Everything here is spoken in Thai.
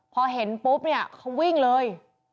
เขาวิ่งเลย